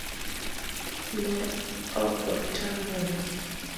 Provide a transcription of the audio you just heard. Ne okotamore